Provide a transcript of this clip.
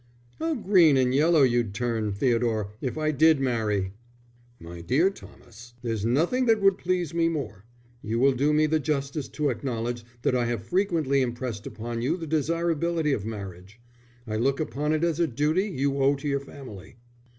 "How green and yellow you'd turn, Theodore, if I did marry!" "My dear Thomas, there's nothing that would please me more. You will do me the justice to acknowledge that I have frequently impressed upon you the desirability of marriage. I look upon it as a duty you owe to your family."